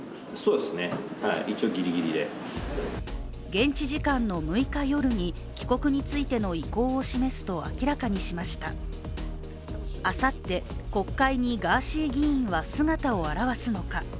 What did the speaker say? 現地時間の６日夜に帰国についての意向を示すと明らかにしましたあさって、国会にガーシー議員は姿を現すのか。